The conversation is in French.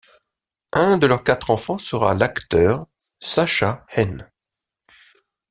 Un de leurs quatre enfants sera l'acteur Sascha Hehn.